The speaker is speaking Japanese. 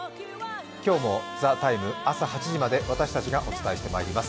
今日も「ＴＨＥＴＩＭＥ，」朝８時まで私たちがお伝えします。